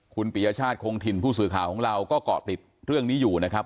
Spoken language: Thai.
คุณปียชาติคงถิ่นผู้สื่อข่าวของเราก็เกาะติดเรื่องนี้อยู่นะครับ